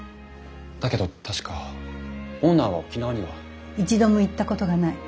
だけど確かオーナーは沖縄には。一度も行ったことがない。